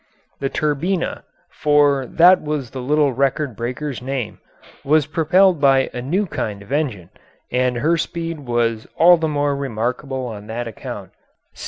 The Turbina for that was the little record breaker's name was propelled by a new kind of engine, and her speed was all the more remarkable on that account.